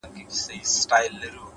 عاجز انسان ډېر محبوب وي،